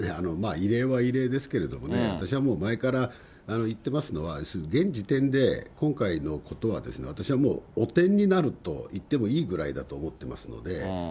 異例は異例ですけれどもね、私はもう前から言ってますのは、現時点で、今回のことは私はもう汚点になるといってもいいぐらいだと思ってますので。